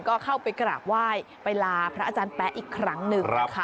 ก็เข้าไปกราบไหว้ไปลาพระอาจารย์แป๊ะอีกครั้งหนึ่งนะคะ